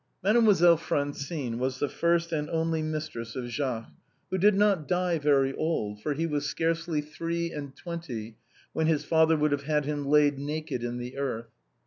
Mademoiselle Francine was the first and only mistress of Jacques, who did not die very old, for he was scarcely three and twenty when his father would have had him laid naked in the earth.